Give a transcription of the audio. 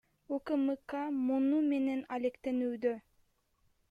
УКМК муну менен алектенүүдө.